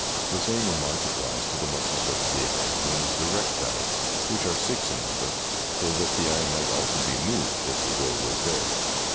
The same remark applies to the muscles of the eye known as the recti, which are six in number, so that the eye might also be moved if the will was there.